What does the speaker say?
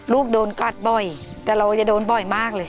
ลูกโดนกัดบ่อยแต่เราจะโดนบ่อยมากเลย